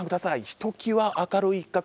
ひときわ明るい一角